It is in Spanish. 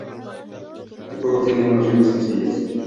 El juego tiene unas reglas sencillas.